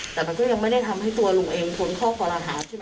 แต่มันก็ยังไม่ได้ทำให้ตัว